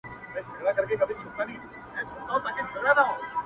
• ځاى جوړاوه.